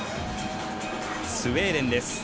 スウェーデンです。